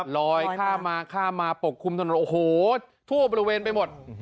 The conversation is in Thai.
ลอยข้ามมาข้ามมาปกคลุมถนนโอ้โหทั่วบริเวณไปหมด